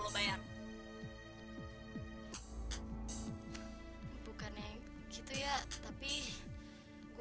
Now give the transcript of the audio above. sampaikan saja fatima